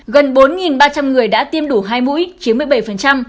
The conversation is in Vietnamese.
gần bốn ba trăm linh người đã tiêm đủ hai mũi chiếm một mươi bảy